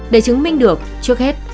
để chứng minh được trước hết